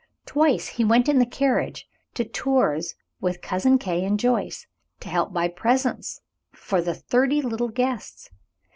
Twice he went in the carriage to Tours with Cousin Kate and Joyce, to help buy presents for the thirty little guests.